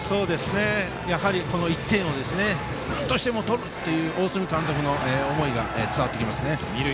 やはりこの１点をなんとしても取るという大角監督の思いが伝わってきますね。